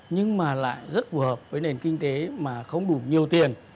nhưng mà lại rất phù hợp với nền kinh tế mà không đủ nhiều tiền